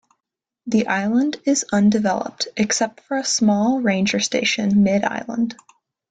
The island is undeveloped, except for a small ranger station mid-island.